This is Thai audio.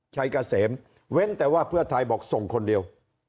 เกษมเว้นแต่ว่าเพื่อไทยบอกส่งคนเดียว